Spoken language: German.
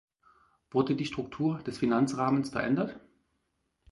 Wurde die Struktur des Finanzrahmens verändert?